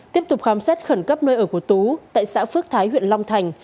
tiếp tục khám xét khẩn cấp nơi ở của tú tại xã phước thái huyện long thành